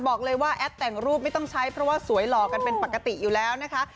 บอกเลยว่าแอปแต่งรูปไม่ต้องใช้เพราะว่าสวยหล่อกันเป็นปกติอยู่แล้วนะคะ